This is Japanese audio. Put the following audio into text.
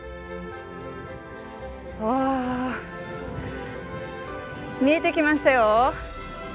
お見えてきましたよ！